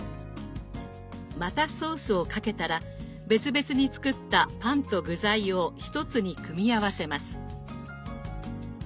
またソースをかけたら別々に作ったパンと具材を一つに組み合わせます。